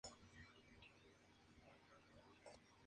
El vídeo finaliza con un "Continuará".